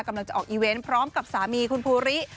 กำลังจะออกอีเวนต์พร้อมกับสามีคุณภูริ